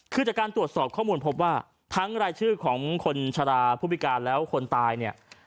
คือจากการตรวจสอบข้อมูลพบว่าทั้งรายชื่อของคนชะลาผู้พิการแล้วคนตายเนี่ย